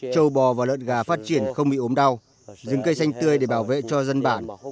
châu bò và lợn gà phát triển không bị ốm đau rừng cây xanh tươi để bảo vệ cho dân bản